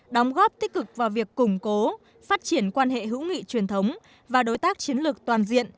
đóng góp tích cực vào việc củng cố phát triển quan hệ hữu nghị truyền thống và đối tác chiến lược toàn diện